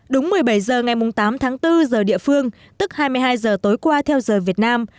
đúng một mươi bảy h ngày tám tháng bốn giờ địa phương tức hai mươi hai h tối qua theo giờ việt nam